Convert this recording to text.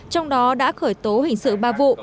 trong đó đã khởi tố hình sự ba vụ